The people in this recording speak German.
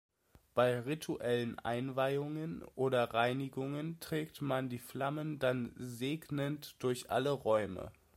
Bei rituellen Einweihungen oder Reinigungen trägt man die Flammen dann segnend durch alle Räume.